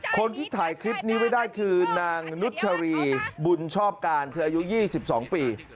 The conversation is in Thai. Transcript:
คนที่ถ่ายคลิปนี้ไว้ได้คือนางนุชรีบุญชอบการเธออายุ๒๒ปี